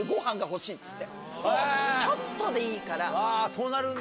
そうなるんだ。